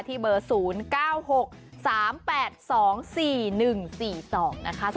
เบอร์๐๙๖๓๘๒๔๑๔๒นะคะ